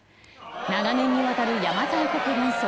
長年にわたる邪馬台国論争。